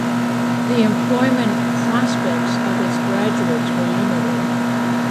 The employment prospects of its graduates were limited.